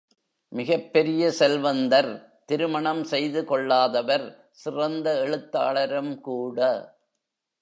மிகப் பெரிய செல்வந்தர் திருமணம் செய்து கொள்ளாதவர் சிறந்த எழுத்தாளரும் கூட.